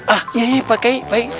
ah ya pak kiai